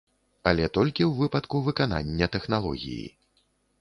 Але толькі ў выпадку выканання тэхналогіі.